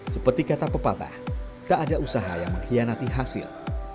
seperti kata pepatah tak ada usaha yang mengkhianati hasil